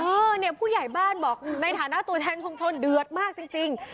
เออเนี่ยผู้ใหญ่บ้านบอกในฐานะตัวเนี้ยช่องชนเดือดมากจริงจริง